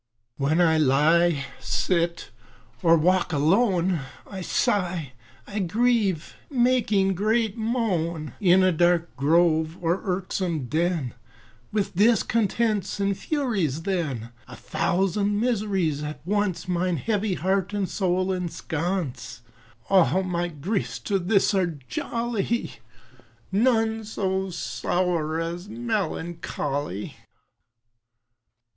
When I lie, sit, or walk alone, I sigh, I grieve, making great moan, In a dark grove, or irksome den, With discontents and Furies then, A thousand miseries at once Mine heavy heart and soul ensconce, All my griefs to this are jolly, None so sour as melancholy.